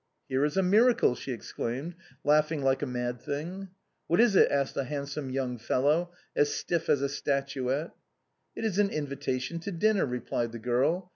" Here is a miracle," she exclaimed, laughing like a mad thing. " What is it ?" asked a handsome young fellow, as stiff as a statuette. " It is an invitation to dinner," replied the girl.